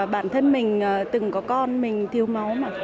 bản thân mình từng có con mình tiêu máu